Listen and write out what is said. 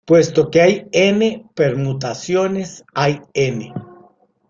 Puesto que hay "n" permutaciones, hay "n!